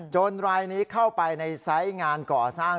รายนี้เข้าไปในไซส์งานก่อสร้าง